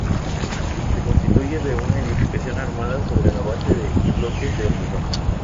Se constituye de una edificación armada sobre la base de bloques de hormigón.